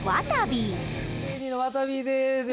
わたびです。